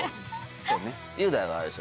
そうね。